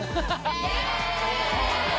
イェーイ！